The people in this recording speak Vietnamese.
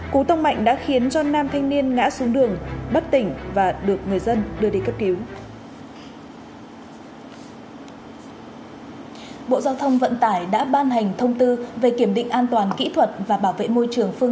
cú tông mạnh đã khiến cho nam thanh niên ngã xuống đường bất tỉnh và được người dân đưa đi cấp cứu